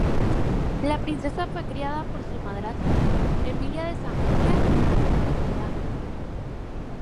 La princesa fue criada por su madrastra, Emilia de Sajonia en la fe luterana.